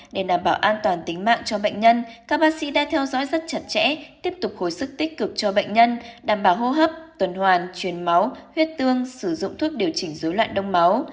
để đảm bảo an toàn tính mạng cho bệnh nhân các bác sĩ đã theo dõi rất chặt chẽ tiếp tục hồi sức tích cực cho bệnh nhân đảm bảo hô hấp tuần hoàn truyền máu huyết tương sử dụng thuốc điều chỉnh dối loạn đông máu